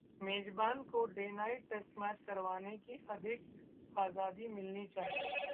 'मेजबान को day night test match करवाने की अधिक आजादी मिलनी चाहिए'